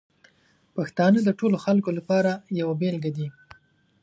پښتانه د ټولو خلکو لپاره یوه بېلګه دي.